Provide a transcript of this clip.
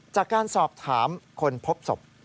จากการสอบถามคนพบศพ